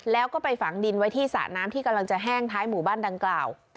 แล้วก็ไปฝังดินไว้ที่สระน้ำที่กำลังจะแห้งท้ายหมู่บ้านดังกล่าว